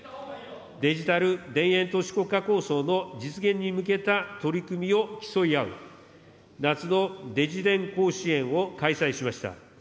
デジタル田園都市国家構想の実現に向けた取り組みを競い合う、夏のＤｉｇｉ田甲子園を開催しました。